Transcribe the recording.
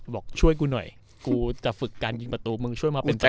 บอกช่วยกูหน่อยกูจะฝึกการยิงประตูมึงช่วยมาเป็นประตู